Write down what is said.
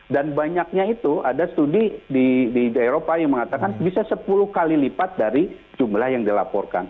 dan banyaknya itu ada studi di eropa yang mengatakan bisa sepuluh kali lipat dari jumlah yang dilaporkan